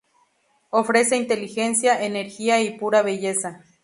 Ofrece inteligencia, energía y pura belleza.